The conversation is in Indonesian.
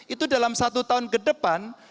itu dalam satu tahun ke depan